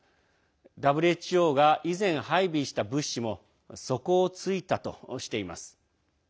ＷＨＯが以前、配備した物資も底をついたとしています。